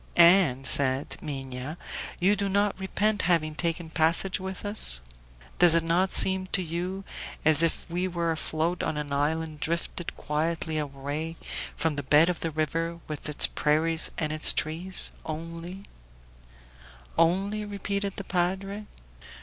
"And," said Minha, "you do not repent having taken passage with us? Does it not seem to you as if we were afloat on an island drifted quietly away from the bed of the river with its prairies and its trees? Only " "Only?" repeated the padre.